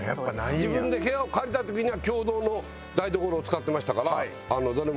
自分で部屋を借りた時には共同の台所を使ってましたから。